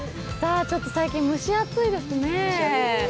最近蒸し暑いですね。